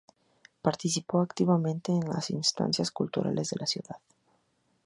Participó activamente en las instancias culturales de la ciudad.